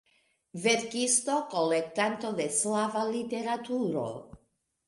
Verkisto, kolektanto de slava literaturo.